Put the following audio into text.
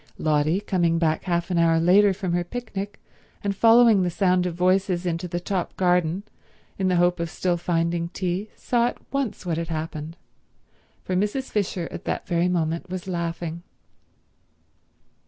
Lotty, coming back half an hour later from her picnic, and following the sound of voices into the top garden in the hope of still finding tea, saw at once what had happened, for Mrs. Fisher at that very moment was laughing.